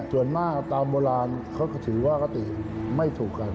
ส่วนมากตามโบราณเขาก็ถือว่าคติไม่ถูกกัน